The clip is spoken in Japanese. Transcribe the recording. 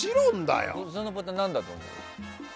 そのボタン何だと思う？